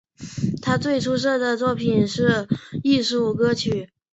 他最出色的作品是艺术歌曲。